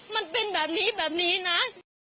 มันเป็นแบบนี้แบบนี้นะ